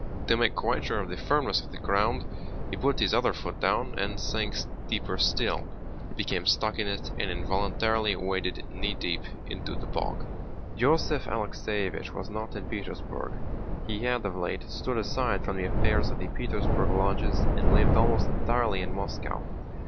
To make quite sure of the firmness of the ground, he put his other foot down and sank deeper still, became stuck in it, and involuntarily waded knee deep in the bog. Joseph Alexéevich was not in Petersburg—he had of late stood aside from the affairs of the Petersburg lodges, and lived almost entirely in Moscow.